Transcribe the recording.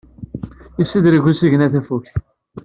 Yessedreg usigna tafukt.